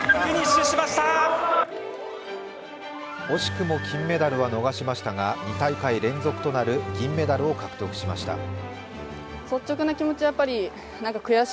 惜しくも金メダルは逃しましたが、２大会連続となる銀メダルを獲得しました。